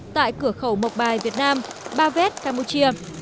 tại cửa khẩu mộc bài việt nam ba vết campuchia